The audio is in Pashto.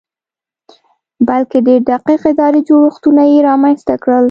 بلکې ډېر دقیق اداري جوړښتونه یې رامنځته کړل